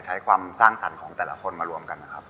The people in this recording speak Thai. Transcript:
ใช้ความสร้างสรรค์ของแต่ละคนมารวมกันนะครับ